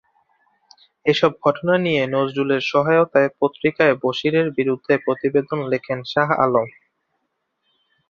এসব ঘটনা নিয়ে নজরুলের সহায়তায় পত্রিকায় বশিরের বিরুদ্ধে প্রতিবেদন লেখেন শাহ আলম।